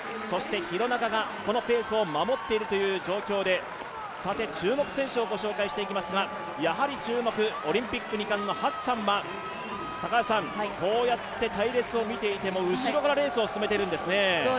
廣中がこのペースを守っているという状況で注目選手を御紹介していきますが、やはり注目、オリンピック２冠のハッサンは、こうやって隊列を見ていても、後ろからレースを進めているんですね。